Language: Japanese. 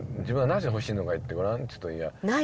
自分はなぜ欲しいのか言ってごらんって言うと。